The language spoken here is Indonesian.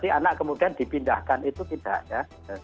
nanti anak kemudian dipindahkan itu tidak ya